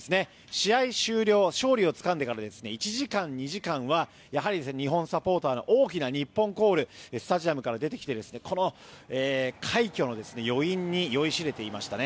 試合終了、勝利をつかんでから１時間、２時間は日本サポーターの大きな日本コールスタジアムから出てきてこの快挙の余韻に酔いしれていましたね。